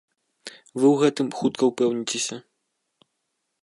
Вы ў гэтым хутка ўпэўніцеся.